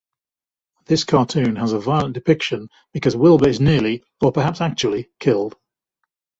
This cartoon has a violent depiction because Wilbur is nearly, or perhaps actually, killed.